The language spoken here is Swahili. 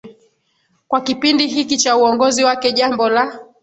kwa kipindi hiki cha uongozi wake jambo la